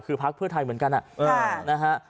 คือภาคเพื่อไทยเหมือนกัน